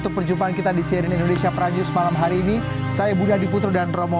untuk perjumpaan kita di seri indonesia pranyu semalam hari ini saya budha diputro dan romo